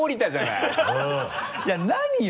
いや何よ？